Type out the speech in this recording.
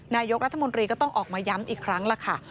นายกรัฐมนตรีก็ต้องออกมาย้ำอีกครั้งล่ะค่ะ